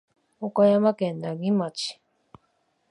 岡山県奈義町